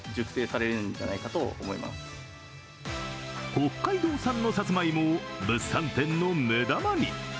北海道産のさつまいもを物産展の目玉に。